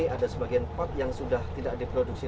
ada sebagian pot yang sudah tidak diproduksi